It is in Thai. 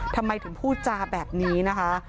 ทำไมถึงพูดจาแบบนี้นะคะ